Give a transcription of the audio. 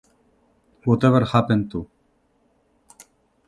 Whatever happened to...?